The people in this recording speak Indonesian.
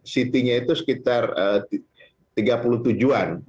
sitinya itu sekitar tiga puluh tujuan